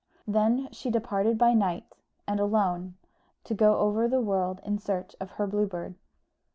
Then she departed by night, and alone, to go over the world in search of her Blue Bird.